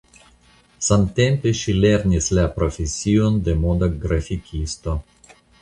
Samtempe ŝi lernis la profesion de moda grafikisto.